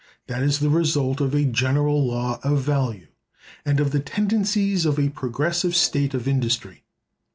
That is the result of a general law of value, and of the tendencies of a progressive state of industry.